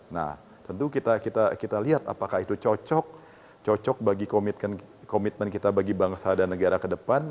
nah tentu kita lihat apakah itu cocok bagi komitmen kita bagi bangsa dan negara ke depan